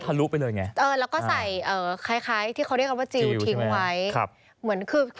คล้ายที่เขาเรียกว่าจิลทิ้งไว้